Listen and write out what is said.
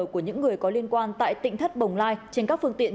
của những người có liên quan tại tỉnh thất bồng lai trên các phương tiện